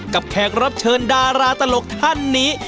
แขกรับเชิญดาราตลกท่านนี้